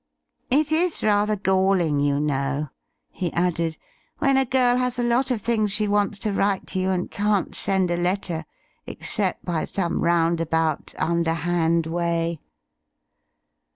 "It is rather galling, you know," he added, "when a girl has a lot of things she wants to write to you and can't send a letter except by some roundabout, underhand way."